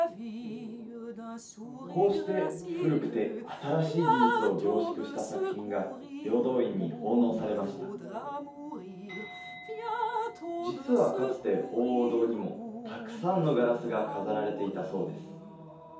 こうして古くて新しい技術を凝縮した作品が平等院に奉納されました実はかつて鳳凰堂にもたくさんのガラスが飾られていたそうです